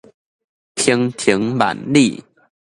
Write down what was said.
鵬程萬里